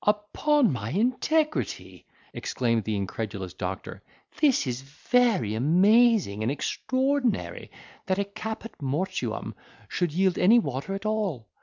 "Upon my integrity!" exclaimed the incredulous doctor, "this is very amazing and extraordinary! that a caput mortuum should yield any water at all.